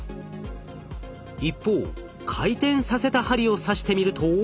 一方回転させた針を刺してみると。